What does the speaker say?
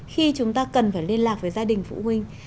khi chúng ta cần phải liên lạc với gia đình phụ huynh